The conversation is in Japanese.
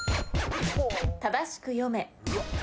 正しく読め。